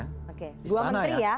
oke dua menteri ya